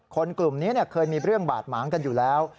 กลุ่มนี้เคยมีเรื่องบาดหมางกันอยู่แล้ว